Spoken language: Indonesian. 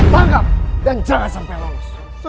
tangkap dan jangan sampai lolos